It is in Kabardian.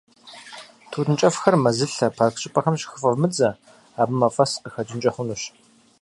Тутын кӀэфхэр мэзылъэ, парк щӀыпӀэхэм щыхыфӀэвмыдзэ, абы мафӏэс къыхэкӏынкӏэ хъунущ.